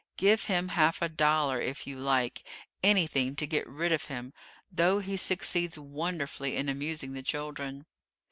Give him half a dollar, if you like anything to get rid of him, though he succeeds wonderfully in amusing the children."